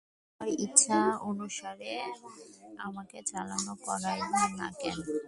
তোমার ইচ্ছানুসারে আমাকে চালনা করাইলে না কেন।